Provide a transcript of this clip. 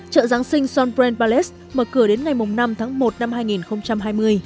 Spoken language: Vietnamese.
chợ giáng sinh sean brand palace mở cửa đến ngày năm tháng một năm hai nghìn hai mươi